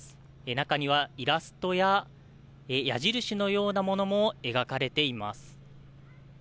中にはイラストや矢印のようなものも描かれています。